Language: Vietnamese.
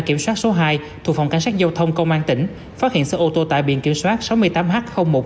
kiểm soát số hai thuộc phòng cảnh sát giao thông công an tỉnh phát hiện xe ô tô tại biển kiểm soát